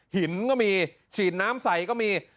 หินก็มีฉีดน้ำใส่ก็มี